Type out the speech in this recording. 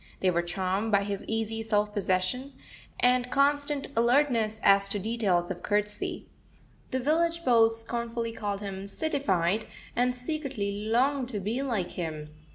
They were charmed by his easy self possession, and constant alertness as to details of courtesy. The village beaus scornfully called him "cityfied," and secretly longed to be like him.